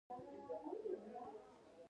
ماشین دلته دی